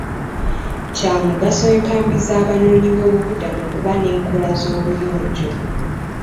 Kya mugaso enkambi z'abanoonyiboobubudamu okuba n'enkola z'obuyonjo.